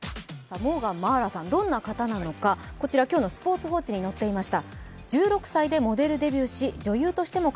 モーガン茉愛羅さん、どんな方なのか、こちら今日の「スポ−ツ報知」に載っていました。